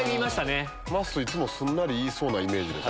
まっすーいつもすんなり言いそうなイメージ。